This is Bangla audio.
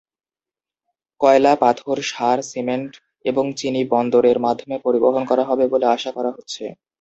কয়লা, পাথর, সার, সিমেন্ট এবং চিনি বন্দরের মাধ্যমে পরিবহন করা হবে বলে আশা করা হচ্ছে।